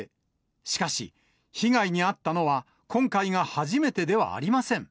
しかし、被害に遭ったのは、今回が初めてではありません。